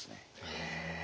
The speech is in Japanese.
へえ。